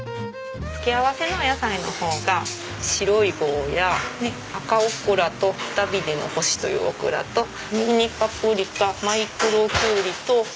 付け合わせのお野菜の方が白いゴーヤー赤オクラとダビデの星というオクラとミニパプリカマイクロキュウリと。